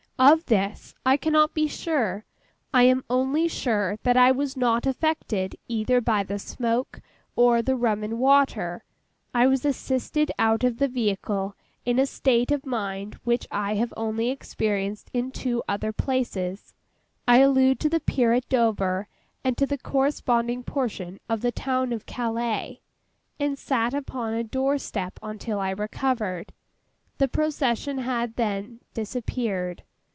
Of this, I cannot be sure. I am only sure that I was not affected, either by the smoke, or the rum and water. I was assisted out of the vehicle, in a state of mind which I have only experienced in two other places—I allude to the Pier at Dover, and to the corresponding portion of the town of Calais—and sat upon a door step until I recovered. The procession had then disappeared.